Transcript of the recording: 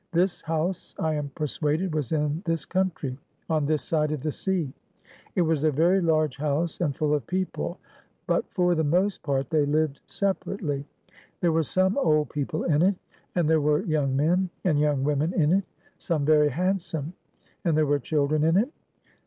This house I am persuaded was in this country; on this side of the sea. It was a very large house, and full of people; but for the most part they lived separately. There were some old people in it, and there were young men, and young women in it, some very handsome; and there were children in it.